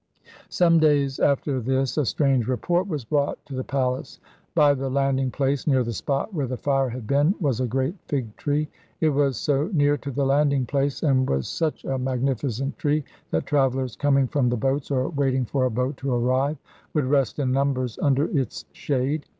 Some days after this a strange report was brought to the palace. By the landing place near the spot where the fire had been was a great fig tree. It was so near to the landing place, and was such a magnificent tree, that travellers coming from the boats, or waiting for a boat to arrive, would rest in numbers under its shade.